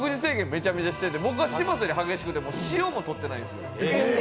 めちゃくちゃしてて僕は嶋佐よりも激しくて塩もとってないんですよ。